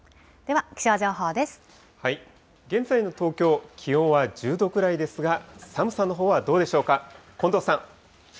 現在の東京、気温は１０度くらいですが、寒さのほうはどうでしょうか。